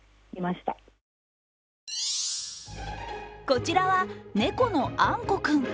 こちらは猫のあんこ君。